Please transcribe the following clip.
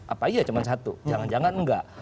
apa aja cuma satu jangan jangan enggak